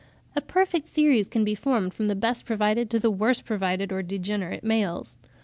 A perfect series can be formed from the best provided to the worst provided or degenerate males.